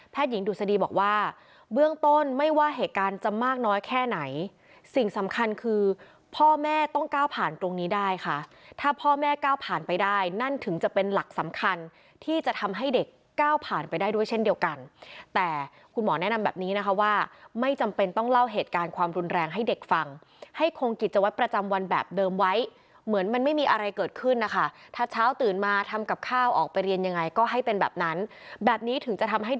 พ่อแม่ก้าวผ่านไปได้นั่นถึงจะเป็นหลักสำคัญที่จะทำให้เด็กก้าวผ่านไปได้ด้วยเช่นเดียวกันแต่คุณหมอแนะนำแบบนี้นะคะว่าไม่จำเป็นต้องเล่าเหตุการณ์ความรุนแรงให้เด็กฟังให้คงกิจวัตรประจำวันแบบเดิมไว้เหมือนมันไม่มีอะไรเกิดขึ้นนะคะถ้าเช้าตื่นมาทำกับข้าวออกไปเรียนยังไงก็ให้เป็นแบบนั้นแบบน